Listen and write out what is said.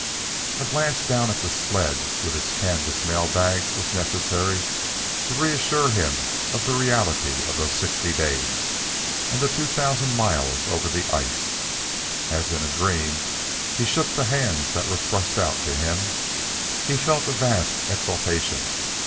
A glance down at the sled with its canvas mail bags was necessary to reassure him of the reality of those sixty days and the two thousand miles over the ice. As in a dream, he shook the hands that were thrust out to him. He felt a vast exaltation.